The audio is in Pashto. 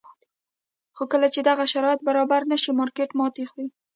خو کله چې دغه شرایط برابر نه شي مارکېټ ماتې خوري.